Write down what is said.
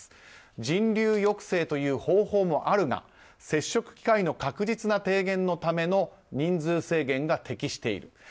人流抑制という方法もあるが接触機会の確実な低減のための人数制限が適している。